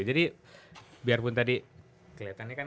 jadi biarpun tadi kelihatannya kan